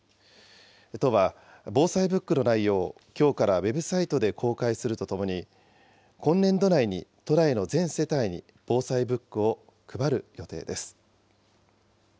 都は、防災ブックの内容をきょうからウェブサイトで公開するとともに、今年度内に都内の全世帯に防災ブックを配る予定です。